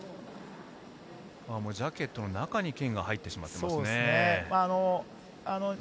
ジャケットの中に剣が入ってしまっていますね。